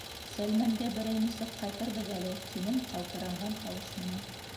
Сәлмәнгә берәй нисек ҡайтырбыҙ әле, — тинем ҡалтыранған тауыш менән.